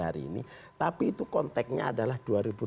hari ini tapi itu konteknya adalah